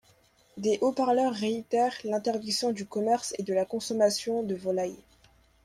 Des haut-parleurs réitèrent l'interdiction du commerce et de la consommation de volailles.